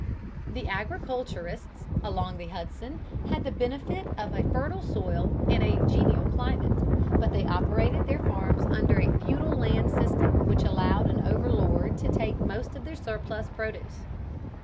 The agriculturists along the Hudson had the benefit of a fertile soil and a genial climate, but they operated their farms under a feudal land system which allowed an overlord to take most of their surplus produce.